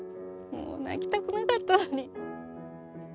もう泣きたくなかったのに。